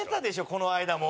この間も。